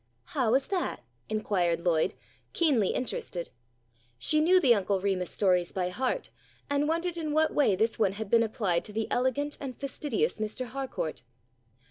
"How is that?" inquired Lloyd, keenly interested. She knew the Uncle Remus stories by heart and wondered in what way this one had been applied to the elegant and fastidious Mr. Harcourt.